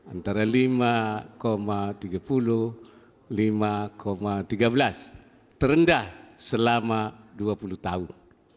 antara lima tiga puluh lima tiga belas terendah selama dua puluh tahun